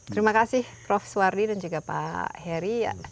terima kasih prof suwardi dan juga pak heri